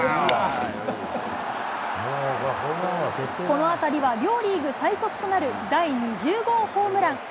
この当たりは両リーグ最速となる、第２０号ホームラン。